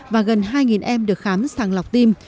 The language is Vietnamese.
và gần hai em được khám sàng lọc tim